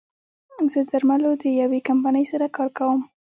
زه د درملو د يوې کمپنۍ سره کار کوم